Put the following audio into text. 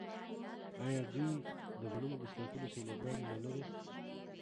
آیا دوی د غنمو د ساتلو سیلوګانې نلري؟